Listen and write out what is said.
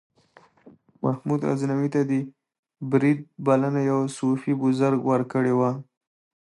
محمود غزنوي ته د دې برید بلنه یو صوفي بزرګ ورکړې وه.